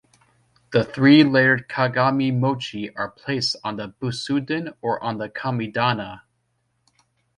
The three layered kagami mochi are placed on the butsudan or on the kamidana.